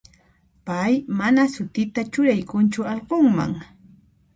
Pay mana sutita churaykunchu allqunman.